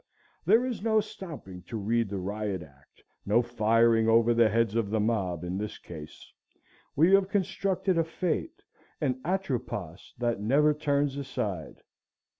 There is no stopping to read the riot act, no firing over the heads of the mob, in this case. We have constructed a fate, an Atropos, that never turns aside.